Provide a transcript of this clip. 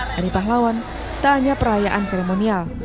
hari pahlawan tak hanya perayaan seremonial